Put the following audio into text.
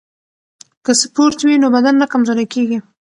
که سپورت وي نو بدن نه کمزوری کیږي.